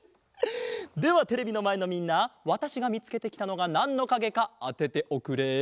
ではテレビのまえのみんなわたしがみつけてきたのがなんのかげかあてておくれ。